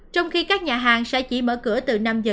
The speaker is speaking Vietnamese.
trong khi các nhà hàng sẽ chỉ mở cửa từ năm giờ